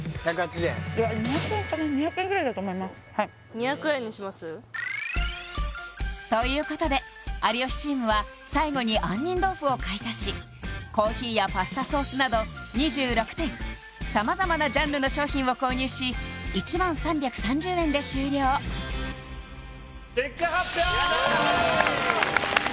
２００円にします？ということで有吉チームは最後に杏仁豆腐を買い足しコーヒーやパスタソースなど２６点様々なジャンルの商品を購入し１０３３０円で終了結果発表！